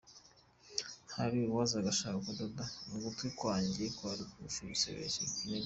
Hari uwazaga ashaka kudoda ugutwi kwanjye kwari gufite igisebe kinini.